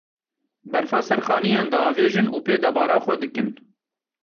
Berfa ser xaniyan diavêjin û pê debara xwe dikin.